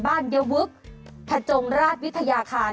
บ้านเยวึกถจงราชวิทยาคาร